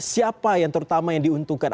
siapa yang terutama yang diuntungkan